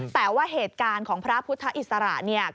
แต่ว่าเหตุการณ์ของพระพุทธอิสระเนี่ย